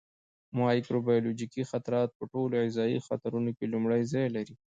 مایکروبیولوژیکي خطرات په ټولو غذایي خطرونو کې لومړی ځای لري.